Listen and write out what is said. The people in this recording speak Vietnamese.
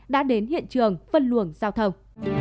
đã đến hiện trường phân luồng giao thông